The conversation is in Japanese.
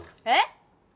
えっ！？